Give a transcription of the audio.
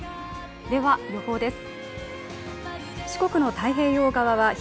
では予報です。